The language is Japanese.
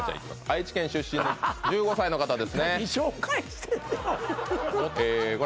愛知県出身の１５歳の方ですね